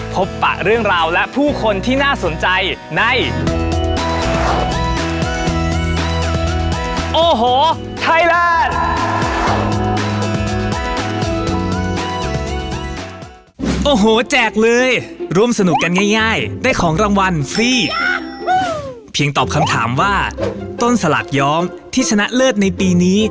พบประเรื่องราวและผู้คนที่น่าสนใจใน